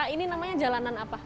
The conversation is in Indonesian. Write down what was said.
ini namanya jalanan apa